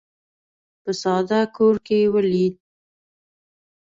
په ساده کور کې ولید.